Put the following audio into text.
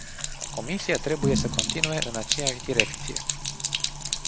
Comisia trebuie să continue în aceeași direcție.